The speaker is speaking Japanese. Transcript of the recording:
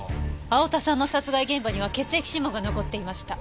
青田さんの殺害現場には血液指紋が残っていました。